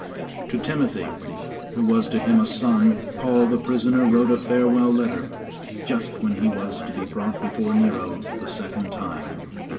To Timothy, who was to him as a son, Paul the prisoner wrote a farewell letter, just when he was to be brought before Nero the second time.